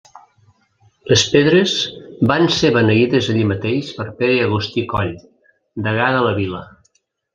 Les pedres van ser beneïdes allí mateix per Pere Agustí Coll, degà de la vila.